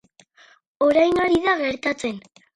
Orain ari da gertatzen.